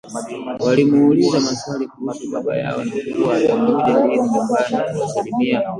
Walimuuliza maswali kuhusu baba yao na kuwa atakuja lini nyumbani kuwasalimia